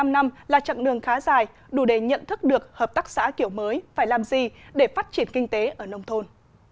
một mươi năm năm là chặng đường khá dài đủ để nhận thức được hợp tác xã kiểu mới phải làm gì để phát triển kinh tế ở nông thôn